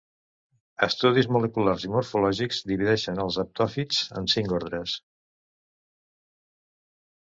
Estudis moleculars i morfològics divideixen els haptòfits en cinc ordres.